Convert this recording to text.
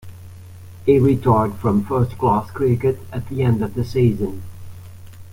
He retired from first-class cricket at the end of the season.